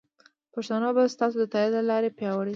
پښتو به ستاسو د تایید له لارې پیاوړې شي.